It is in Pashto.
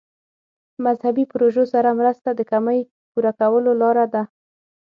مذهبي پروژو سره مرسته د کمۍ پوره کولو لاره ده.